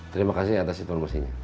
terimakasih atas informasinya